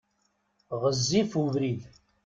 Ɣezzif ubrid.